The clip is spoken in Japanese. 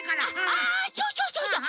あそうそうそうそう！